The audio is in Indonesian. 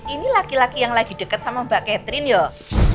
ini laki laki yang lagi dekat sama mbak catherine yuk